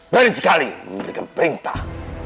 beri sekali memberikan perintah